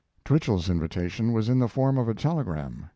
Twichell's invitation was in the form of a telegram.